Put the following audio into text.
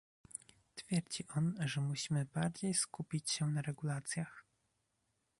Twierdzi on, że musimy bardziej skupić się na regulacjach